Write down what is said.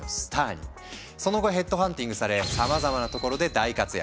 その後ヘッドハンティングされさまざまなところで大活躍。